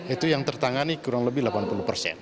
itu yang tertangani kurang lebih delapan puluh persen